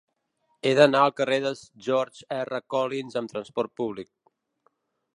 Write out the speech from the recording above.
He d'anar al carrer de George R. Collins amb trasport públic.